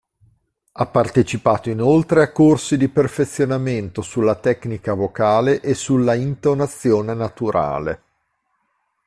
Ha partecipato inoltre a corsi di perfezionamento sulla "tecnica vocale" e sulla "intonazione naturale".